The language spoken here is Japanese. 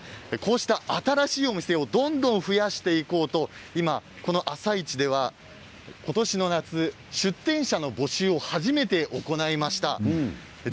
新しいお店をどんどん増やしていこうと朝市では今年の夏出店者の募集を初めて行いました。